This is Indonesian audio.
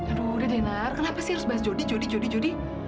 aduh udah deh nar kenapa sih harus bahas jody jody jody jody